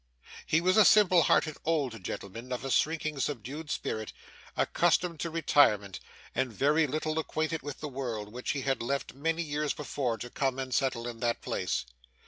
He was a simple hearted old gentleman, of a shrinking, subdued spirit, accustomed to retirement, and very little acquainted with the world, which he had left many years before to come and settle in that place.